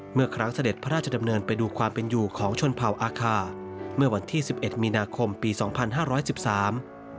เมื่อครั้งเสด็จพระราชดำเนินไปดูความเป็นอยู่ของชนเผ่าอาคาเมื่อวันที่สิบเอ็ดมีนาคมปีสองพันห้าร้อยสิบสาม